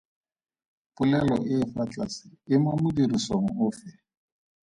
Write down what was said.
Polelo e e fa tlase e mo modirisong ofe?